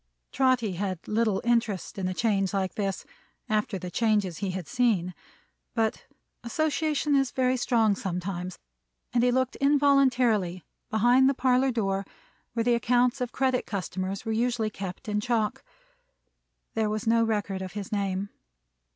Trotty had little interest in a change like this, after the changes he had seen; but association is very strong sometimes; and he looked involuntarily behind the parlor door, where the accounts of credit customers were usually kept in chalk. There was no record of his name.